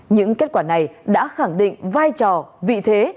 những kết quả này đã khẳng định vai trò vị thế